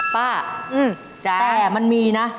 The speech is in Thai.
ป้าแต่มันมีนะ